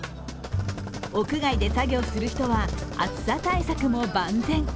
屋外で作業する人は暑さ対策も万全。